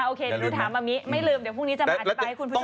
โอเคคือถามอามิไม่ลืมเดี๋ยวพรุ่งนี้จะมาอธิบายให้คุณผู้ชม